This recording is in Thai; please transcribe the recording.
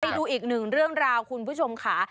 อีกหนึ่งเรื่องราวคุณผู้ชมค่ะ